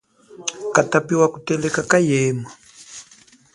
Katapi wa kuteleka kayema.